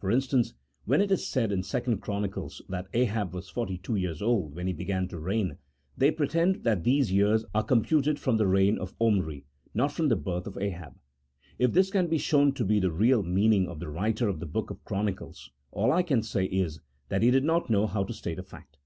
For instance, when it is said in 2 Chronicles, that Ahab was forty two years old when he began to reign, they pretend that these years are computed from the reign of Oniri, not from the birth of Ahab. If this can be shown to be the real mean ing of the writer of the book of Chronicles, all I can say is, that he did not know how to state a fact.